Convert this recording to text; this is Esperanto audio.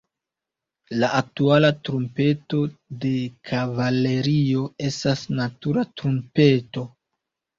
La aktuala trumpeto de kavalerio estas natura trumpeto.